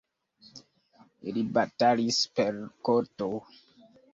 Ili batalis per koto.